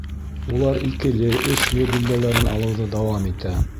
Улар «икеле», «өслө» билдәләрен алыуҙы дауам итә.